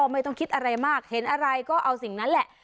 ไม่ต้องคิดอะไรมากเห็นอะไรก็เอาสิ่งนั้นแหละ